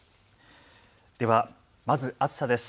では、まず暑さです。